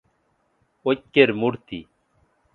ঐক্যের মূর্তি